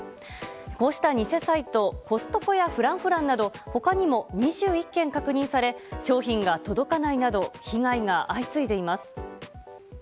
こうした偽サイトコストコやフランフランなど他にも２１件確認され商品が届かないなど被害が相次いでいます。